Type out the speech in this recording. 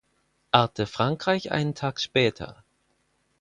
Arte Frankreich einen Tag später.